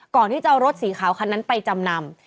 ก่อนที่จะเอารถสีขาวคันนั้นไปจำนำ